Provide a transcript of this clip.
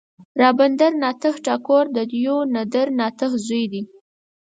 رابندر ناته ټاګور د دیو ندر ناته زوی دی.